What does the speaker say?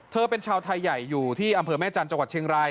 เธอเป็นชาวไทยใหญ่อยู่ที่อำเภอแม่จันทร์จังหวัดเชียงราย